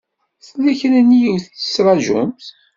Tella kra n yiwet i tettṛajumt?